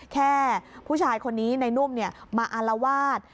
แค่ผู้ชายคนนี้ในนุ่มมาอารวาส